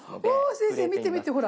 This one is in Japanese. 先生見て見てほら。